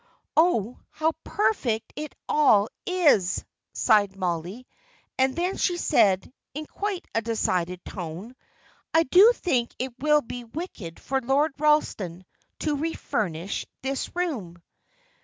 "Oh, how perfect it all is!" sighed Mollie; and then she said, in quite a decided tone, "I do think it will be wicked for Lord Ralston to refurnish this room."